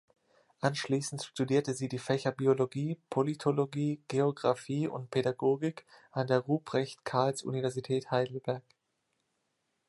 Anschließend studierte sie die Fächer Biologie, Politologie, Geographie und Pädagogik an der Ruprecht-Karls-Universität Heidelberg.